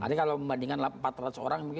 ini kalau membandingkan empat ratus orang